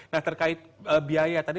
nah terkait biaya tadi